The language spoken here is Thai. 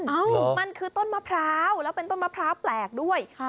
เอ้ามันคือต้นมะพร้าวแล้วเป็นต้นมะพร้าวแปลกด้วย